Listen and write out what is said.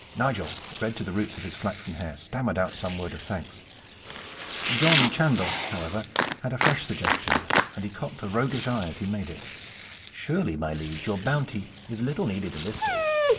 Nigel, red to the roots of his flaxen hair, stammered out some words of thanks. John Chandos, however, had a fresh suggestion, and he cocked a roguish eye as he made it: "Surely, my liege, your bounty is little needed in this case.